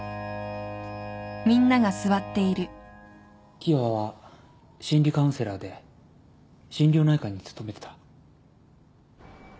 喜和は心理カウンセラーで心療内科に勤めてた。